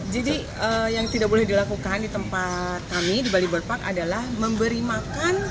jadi yang tidak boleh dilakukan di tempat kami di bali burpak adalah memberi makan